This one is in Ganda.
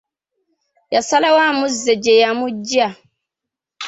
Yasalawo amuzze gye yamuggya.